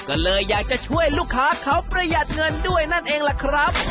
ก็เลยอยากจะช่วยลูกค้าเขาประหยัดเงินด้วยนั่นเองล่ะครับ